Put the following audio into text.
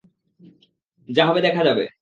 যা হবে দেখা যাবে।